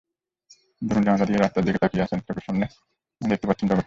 ধরুন, জানালা দিয়ে রাস্তার দিকে তাকিয়ে আছেন, চোখের সামনের দেখতে পাচ্ছেন জগৎকে।